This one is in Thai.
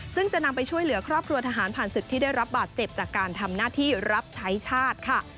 ซึ่งจะนำไปช่วยเหลือครอบครัวทหารผ่านศึกที่ได้รับบาดเจ็บจากการทำหน้าที่รับใช้ชาติค่ะ